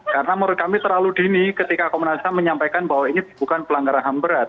karena menurut kami terlalu dini ketika komnas ham menyampaikan bahwa ini bukan pelanggaran ham berat